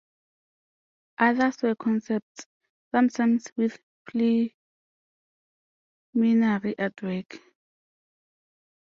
Others were concepts, sometimes with preliminary artwork.